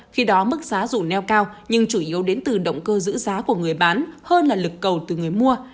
khi đó mức giá dù neo cao nhưng chủ yếu đến từ động cơ giữ giá của người bán hơn là lực cầu từ người mua